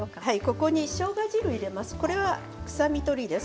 ここに、しょうが汁を入れます。